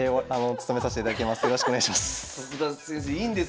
よろしくお願いします。